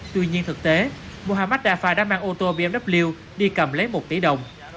tuy nhiên thực tế muhammad dafa đã mang ô tô bmw đi cầm lấy một tỷ đồng